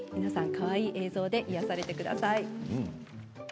かわいい映像に癒やされてください。